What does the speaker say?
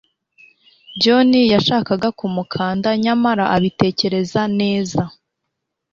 John yashakaga kumukanda, nyamara abitekereza neza.